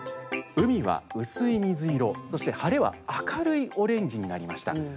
海は薄い水色、そして晴れは明るいオレンジになりました。